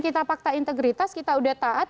kita fakta integritas kita udah taat